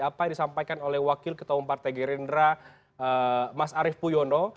apa yang disampaikan oleh wakil ketua umum partai gerindra mas arief puyono